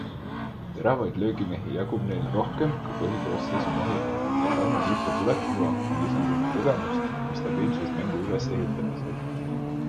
Teravaid löögimehi jagub neil rohkem kui põhikoosseisu mahub ja Tauno Lipu tulekuga on lisandunud kogemust ja stabiilsust mängu ülesehitamisel.